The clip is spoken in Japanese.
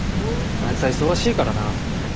あいつは忙しいからな。